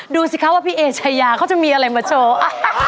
ดูสิคะว่าพี่เอชายาเขาจะมีอะไรมาโชว์